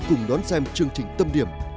cùng đón xem chương trình tâm điểm